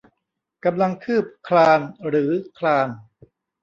กำลังคืบคลานหรือคลาน